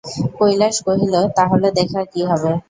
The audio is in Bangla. কৈলাস কহিল, তা হলে দেখার কী হবে?